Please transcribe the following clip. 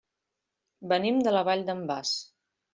Venim de la Vall d'en Bas.